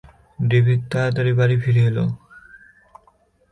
David তাড়াতাড়ি বাড়ি ফিরে এল।